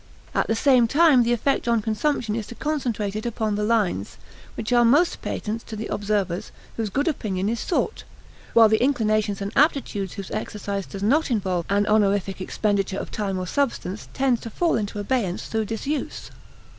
At the same time the effect on consumption is to concentrate it upon the lines which are most patent to the observers whose good opinion is sought; while the inclinations and aptitudes whose exercise does not involve a honorific expenditure of time or substance tend to fall into abeyance through disuse.